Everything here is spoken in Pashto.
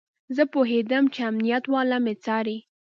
زه پوهېدم چې امنيت والا مې څاري.